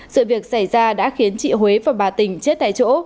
sự việc xảy ra đã khiến chị huế và bà tình chết tại chỗ